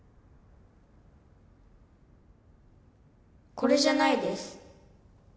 これじゃないです。